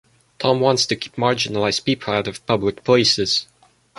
Tom wants to keep marginalized people out of public places.